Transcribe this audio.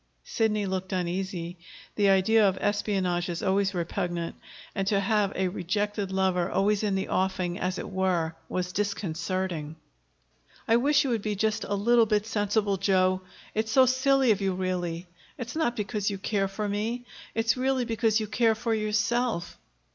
Sidney looked uneasy. The idea of espionage is always repugnant, and to have a rejected lover always in the offing, as it were, was disconcerting. "I wish you would be just a little bit sensible, Joe. It's so silly of you, really. It's not because you care for me; it's really because you care for yourself."